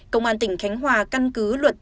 công an tỉnh khánh hòa căn cứ luật